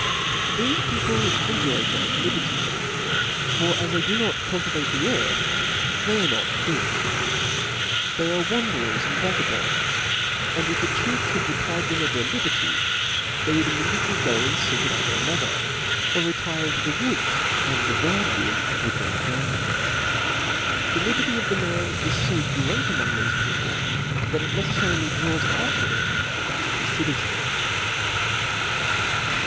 npHESE people enjoy great liberty. For ts *• they do not cultivate the earth, they arc not fixed, they are wanderers and vagabonds j and if a chief (hould deprive them of their liberty, they would immediately go and feek it under another, or retire into the woods, and there live with their families. The liberty of the man is fo great among rfieiib people, that it necefTarily draws after it that of the citizen.